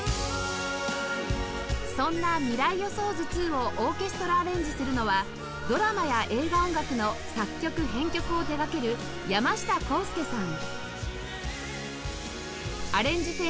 そんな『未来予想図 Ⅱ』をオーケストラアレンジするのはドラマや映画音楽の作曲編曲を手掛ける山下康介さん